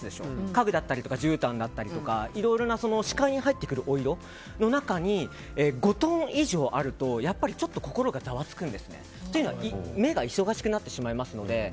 家具だったりじゅうたんだったりいろいろな視界に入ってくるお色の中に５トーン以上あるとちょっと心がざわつくんですね。というのは目が忙しくなってしまいますので３